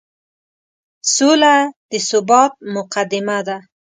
سوله د ثبات مقدمه ده.